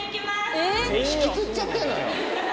ねえ引きつっちゃってんのよ。